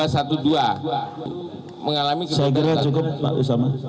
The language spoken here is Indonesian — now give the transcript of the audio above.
saya kira cukup pak usoma